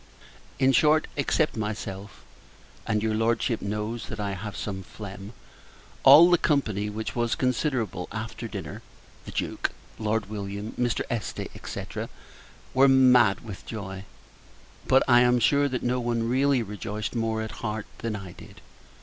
In short, except myself, (and your Lordship knows that I have some phlegm) all the company, which was considerable, after dinner the Duke, Lord William, Mr. Este, &c. were mad with joy. But, I am sure, that no one really rejoiced more, at heart, than I did.